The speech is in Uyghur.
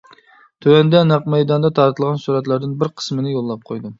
تۆۋەندە نەق مەيداندا تارتىلغان سۈرەتلەردىن بىر قىسمىنى يوللاپ قويدۇم.